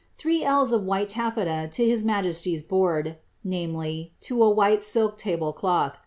3 ells of white tafleta to his majesty's board, viz. to a white silk table cloth, 7